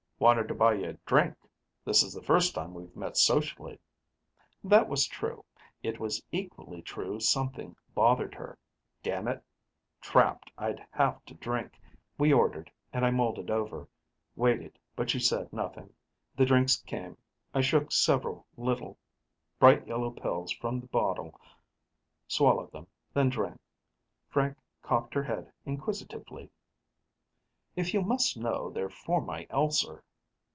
"Wanted to buy you a drink. This is the first time we've met socially." That was true; it was equally true something bothered her. Damn it! Trapped, I'd have to drink. We ordered, and I mulled it over. Waited, but she said nothing. The drinks came. I shook several little, bright yellow pills from the bottle, swallowed them, then drank. Frank cocked her head inquisitively. "If you must know, they're for my ulcer."